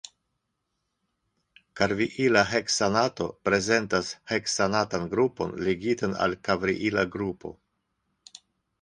Karviila heksanato prezentas heksanatan grupon ligitan al karviila grupo.